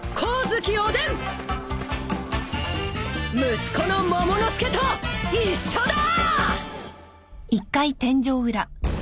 息子のモモの助と一緒だ！